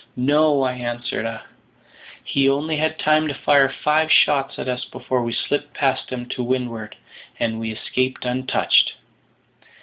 "No," answered I; "he only had time to fire five shots at us before we slipped past him to windward, and we escaped untouched."